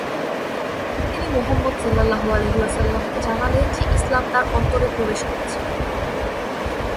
তিনি মুহাম্মাদ কে জানালেন যে ইসলাম তার অন্তরে প্রবেশ করেছে।